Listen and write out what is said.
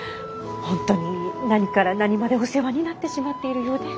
本当に何から何までお世話になってしまっているようで。